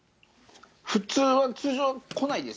普通は通常来ないです。